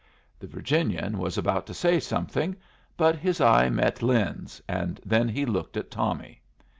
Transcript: The Virginian was about to say something, but his eye met Lin's, and then he looked at Tommy.